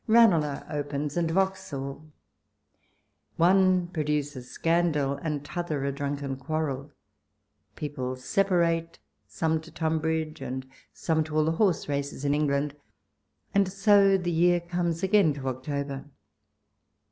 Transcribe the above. Rane lagh opens and Vauxhall ; one produces scandal, and t'other a drunken quarrel. People separate, some to Tunbridge, and some to all the horse races in England ; and so the year comes again to October.